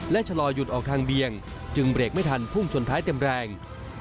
และชะลอหยุดออกทางเบียงจึงเบรกไม่ทันพุ่งชนท้ายเต็มแรง